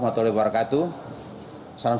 salam sejahtera untuk kita sekalian